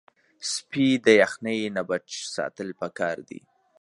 سپي د یخنۍ نه بچ ساتل پکار دي.